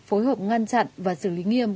phối hợp ngăn chặn và xử lý nghiêm